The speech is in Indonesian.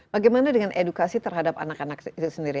bagaimana dengan edukasi terhadap anak anak itu sendiri